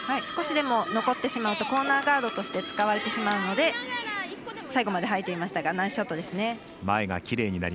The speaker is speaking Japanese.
少しでも残ってしまうとコーナーガードとして使われてしまうので最後まで掃いていましたがナイスショットですね。